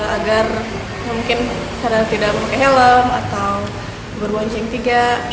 agar mungkin karena tidak memakai helm atau berboncing tiga